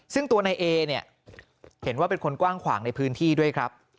ซึ่งตัวนายเอเนี่ยเห็นว่าเป็นคนกว้างขวางในพื้นที่ด้วยครับ